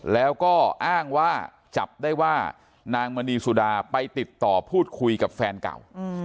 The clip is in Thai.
แล้วก็อ้างว่าจับได้ว่านางมณีสุดาไปติดต่อพูดคุยกับแฟนเก่า